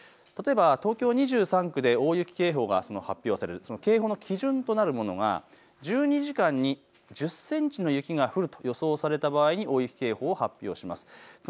例えば東京２３区で大雪警報が発表されるとその警報の基準となるものは１２時間に１０センチの雪が降ると予想された場合に大雪警報を発表します。